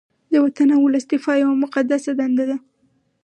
د وطن او ولس دفاع یوه مقدسه دنده ده